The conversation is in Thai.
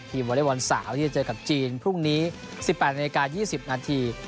ทีมวอเลวอนสาวที่จะเจอกับจีนพรุ่งนี้๑๘นาที๒๐นาที